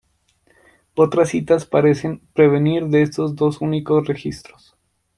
Otras citas parecen provenir de estos dos únicos registros.